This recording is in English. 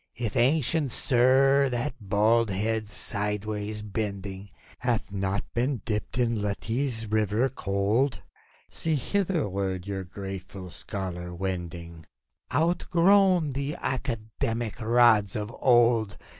If, ancient Sir, that bald head, sidewards bending, Hath not been dipped in Lethe's river cold. See, hitherward your grateful scholar wending, Outgrown the academic rods of old.